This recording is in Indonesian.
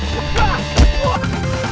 duh duh duh